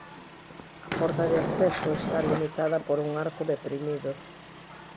A porta de acceso está limitada por un arco deprimido.